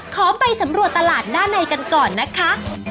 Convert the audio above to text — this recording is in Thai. ขอไปสำรวจตลาดด้านในกันก่อนนะคะ